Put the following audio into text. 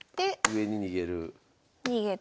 上に逃げる。